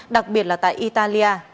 đặc biệt là tại italia